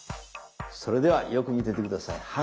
それではよく見てて下さい。